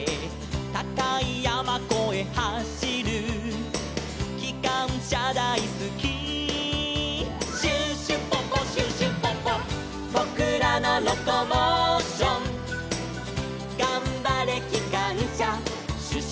「たかいやまこえはしる」「きかんしゃだいすき」「シュシュポポシュシュポポ」「ぼくらのロコモーション」「がんばれきかんしゃシュシュポポ」